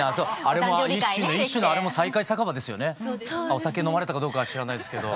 お酒飲まれたかどうかは知らないですけど。